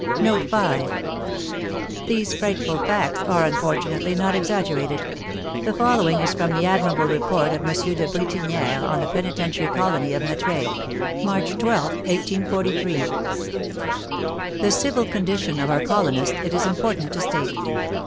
" These frightful facts are, unfortunately, not exaggerated. The following is from the admirable report of M. de Bretignères on the Penitentiary Colony of Mettray (March 12, 1843): "The civil condition of our colonists it is important to state.